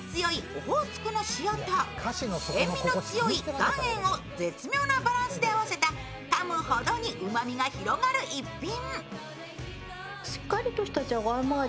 オホーツクの塩と塩味のつよい岩塩を絶妙なバランスで合わせたかむほどにうまみが広がる逸品。